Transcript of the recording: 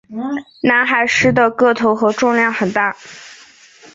南海狮的个头和重量很大。